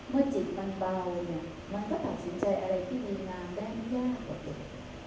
จิตมันเบาเนี่ยมันก็ตัดสินใจอะไรที่มีงานได้มากกว่าเดิม